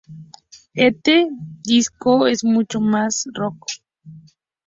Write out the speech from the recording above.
Este disco es mucho más rock.